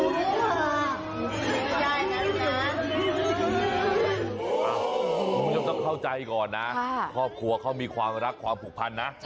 คุณผู้ชมต้องเข้าใจก่อนนะครอบครัวเขามีความรักความผูกพันนะ